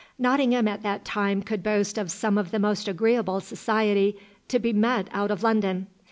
Nottingham at that time could boast of some of the most agreeable society to be met out of London.